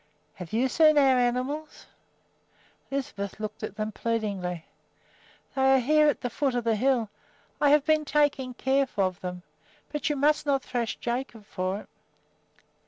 "Have you seen our animals?" Lisbeth looked at them pleadingly. "They are here at the foot of the hill. I have been taking care of them, but you must not thrash Jacob for it."